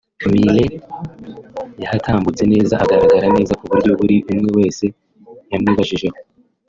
Miley yahatambutse neza agaragara neza ku buryo buri umwe wese yamwibajijeho